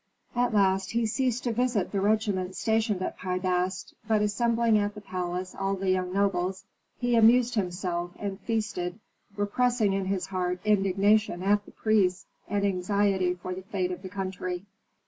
At last he ceased to visit the regiments stationed at Pi Bast, but assembling at the palace all the young nobles, he amused himself and feasted, repressing in his heart indignation at the priests and anxiety for the fate of the country.